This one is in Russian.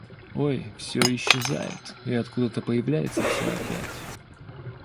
Ой! всё исчезает и откуда-то появляется всё опять.